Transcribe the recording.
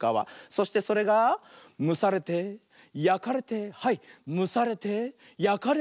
そしてそれがむされてやかれてはいむされてやかれるよ。